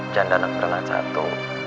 janda anak beranak satu